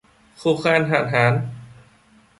Khô khan hạn hán